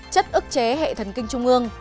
chất ức chế hệ thần kinh trung ương